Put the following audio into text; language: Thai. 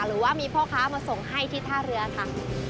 หรือว่ามีพ่อค้ามาส่งให้ที่ท่าเรือค่ะ